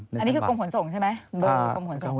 อันนี้คือกรมขนส่งใช่ไหมเบอร์กรมขนส่ง